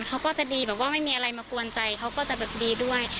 เขาก็จะดีแบบว่าไม่มีอะไรมากวนใจเขาก็จะแบบดีด้วย